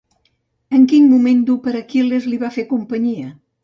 En quin moment dur per Aquil·les li va fer companyia?